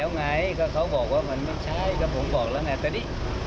พระรันตรีก็บอกไม่ได้แล้วไงเค้าบอกว่ามันไม่ใช่ก็ผมบอกแล้วไง